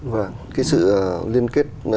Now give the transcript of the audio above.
và cái sự liên kết